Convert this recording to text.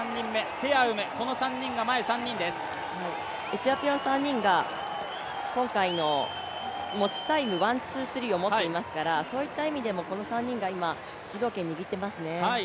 エチオピアの３人が今回の持ちタイムワン・ツー・スリーを持っていますからそういった意味でもこの３人が今、主導権を握っていますね。